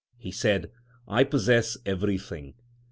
He said, I possess everything.